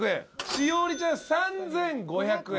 栞里ちゃん３，５００円。